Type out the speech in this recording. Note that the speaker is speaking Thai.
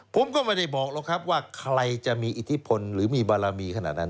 ผมก็ไม่ได้บอกหรอกครับว่าใครจะมีอิทธิพลหรือมีบารมีขนาดนั้น